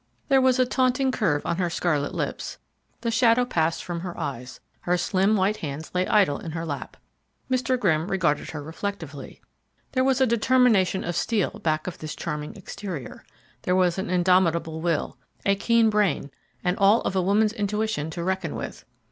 There was a taunting curve on her scarlet lips; the shadow passed from her eyes; her slim, white hands lay idle in her lap. Mr. Grimm regarded her reflectively. There was a determination of steel back of this charming exterior; there was an indomitable will, a keen brain, and all of a woman's intuition to reckon with.